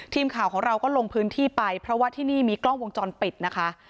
ทีมข่าวของเราก็ลงพื้นที่ไปเพราะว่าที่นี่มีกล้องวงจรปิดนะคะ